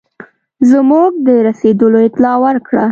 زموږ د رسېدلو اطلاع ورکړه.